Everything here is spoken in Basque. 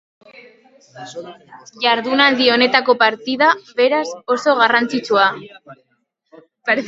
Jardunaldi honetako partida, beraz, oso garrantzitsua.